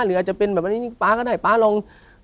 หรืออาจจะเป็นแบบป๊าก็ได้ป๊าลอง